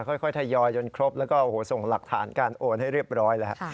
ค่อยทยอยจนครบแล้วก็ส่งหลักฐานการโอนให้เรียบร้อยแล้ว